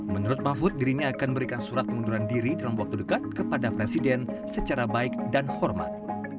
menurut mahfud dirinya akan memberikan surat pengunduran diri dalam waktu dekat kepada presiden secara baik dan hormat